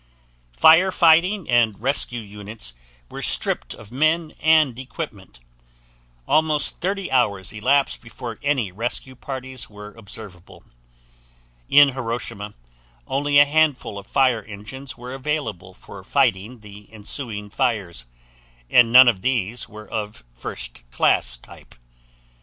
Fire fighting and rescue units were stripped of men and equipment. Almost 30 hours elapsed before any rescue parties were observable. In Hiroshima only a handful of fire engines were available for fighting the ensuing fires, and none of these were of first class type.